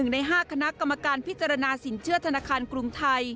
ใน๕คณะกรรมการพิจารณาสินเชื่อธนาคารกรุงไทย